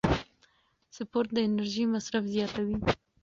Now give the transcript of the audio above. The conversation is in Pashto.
سپورت د انرژۍ مصرف زیاتوي.